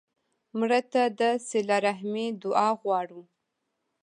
مړه ته د صله رحمي دعا غواړو